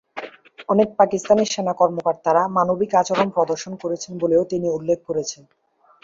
অনেক পাকিস্তানি সেনা কর্মকর্তারা মানবিক আচরণ প্রদর্শন করেছেন বলেও তিনি উল্লেখ করেছেন।